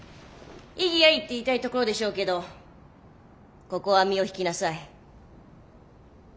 異議ありって言いたいところでしょうけどここは身を引きなさい。